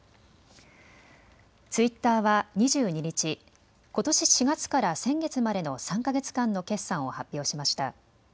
ツイッターは２２日、ことし４月から先月までの３か月間の決算を発表しました。